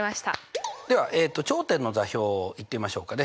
では頂点の座標を言ってみましょうかね。